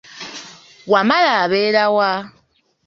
Wamala abeera wa?